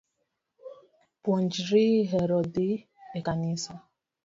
Puonjri hero dhii e kanisa